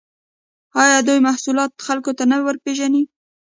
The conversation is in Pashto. آیا دوی محصولات خلکو ته نه ورپېژني؟